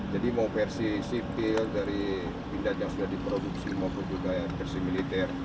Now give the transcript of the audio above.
jadi mau versi sipil dari pindad yang sudah diproduksi maupun juga versi militer